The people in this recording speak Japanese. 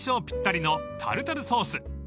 ぴったりのタルタルソース］